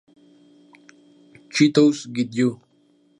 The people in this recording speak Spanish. Chitose Get You!!